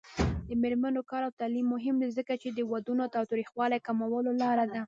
د میرمنو کار او تعلیم مهم دی ځکه چې ودونو تاوتریخوالي کمولو لاره ده.